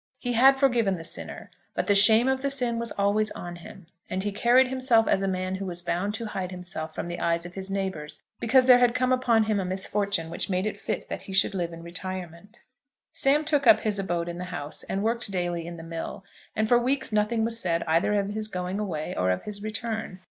He had forgiven the sinner, but the shame of the sin was always on him; and he carried himself as a man who was bound to hide himself from the eyes of his neighbours because there had come upon him a misfortune which made it fit that he should live in retirement. Sam took up his abode in the house, and worked daily in the mill, and for weeks nothing was said either of his going away or of his return.